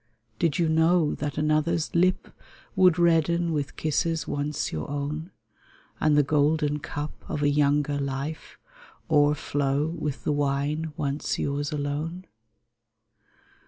Did you know that another's lip Would redden with kisses once your own, And the golden cup of a younger life O'erflow with the wine once yours alone